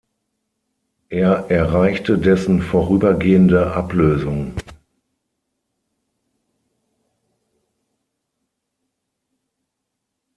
Er erreichte dessen vorübergehende Ablösung.